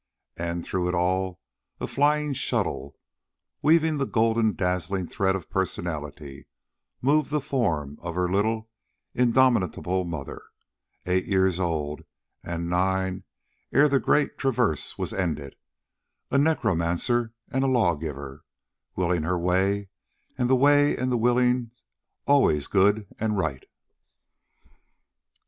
And through it all, a flying shuttle, weaving the golden dazzling thread of personality, moved the form of her little, indomitable mother, eight years old, and nine ere the great traverse was ended, a necromancer and a law giver, willing her way, and the way and the willing always good and right.